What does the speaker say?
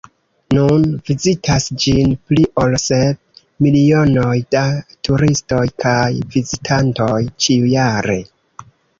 Nun vizitas ĝin pli ol sep milionoj da turistoj kaj vizitantoj ĉiujare.